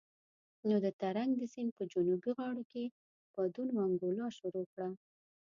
نو د ترنک د سيند په جنوبي غاړو کې بادونو انګولا شروع کړه.